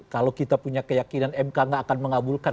kalau kita punya keyakinan mk tidak akan mengabulkan